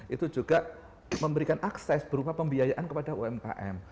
itu juga memberikan akses berupa pembiayaan kepada umkm